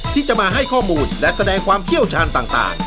ที่จะมาให้ข้อมูลและแสดงความเชี่ยวชาญต่าง